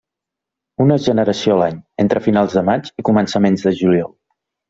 Una generació a l'any, entre finals de maig i començaments de juliol.